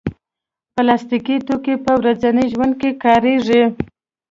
پلاستيکي توکي په ورځني ژوند کې کارېږي.